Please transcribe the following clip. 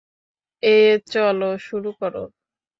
এ চল, শুরু কর।